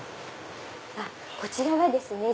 こちらはですね